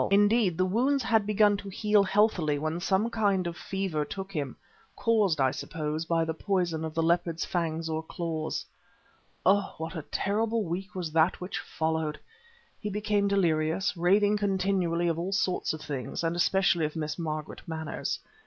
Indeed, the wounds had begun to heal healthily when suddenly some kind of fever took him, caused, I suppose, by the poison of the leopard's fangs or claws. Oh! what a terrible week was that which followed! He became delirious, raving continually of all sorts of things, and especially of Miss Margaret Manners.